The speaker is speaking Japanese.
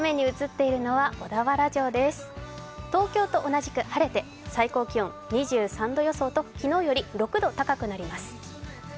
東京と同じく晴れて最高気温２３度予想と、昨日より６度高くなります。